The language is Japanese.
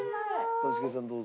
一茂さんどうぞ。